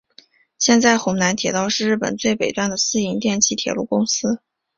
现在弘南铁道是日本最北端的私营电气铁路公司。